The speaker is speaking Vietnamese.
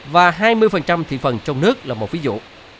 và hai mươi thị phần trong nước là một ví dụ